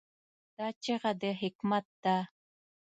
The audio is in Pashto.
دا چیغه د حکمت ده.